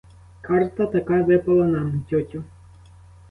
Карта така випала нам, тьотю.